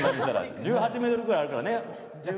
１８ｍぐらいあるからね。